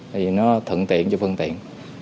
thì nó thận tiện cho phương tiện